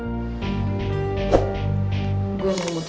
kal aku mau nge save